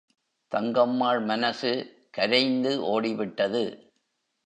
தங்கம்மாள் மனசு கரைந்து ஓடிவிட்டது.